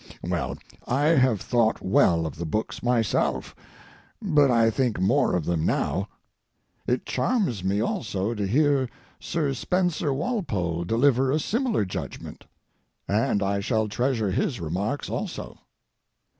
Well, I have thought well of the books myself, but I think more of them now. It charms me also to hear Sir Spencer Walpole deliver a similar judgment, and I shall treasure his remarks also.